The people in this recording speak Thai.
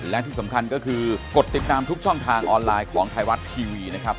และที่สำคัญก็คือกดติดตามทุกช่องทางออนไลน์ของไทยรัฐทีวีนะครับ